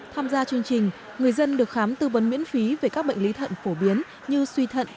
tham gia chương trình người dân được khám tư vấn miễn phí về các bệnh lý thận phổ biến như suy thận